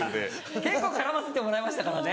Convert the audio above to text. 結構絡ませてもらいましたからね。